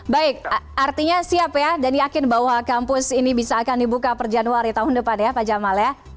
baik artinya siap ya dan yakin bahwa kampus ini bisa akan dibuka per januari tahun depan ya pak jamal ya